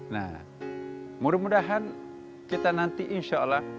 nah mudah mudahan kita nanti insya allah